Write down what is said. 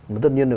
mà tất nhiên là